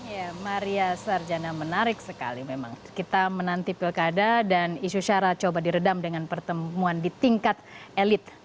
ya maria sarjana menarik sekali memang kita menanti pilkada dan isu syarat coba diredam dengan pertemuan di tingkat elit